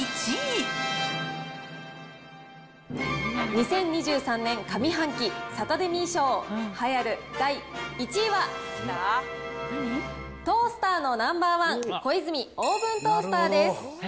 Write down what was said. ２０２３年上半期サタデミー賞、栄えある第１位は、トースターのナンバー１、コイズミオーブントースターです。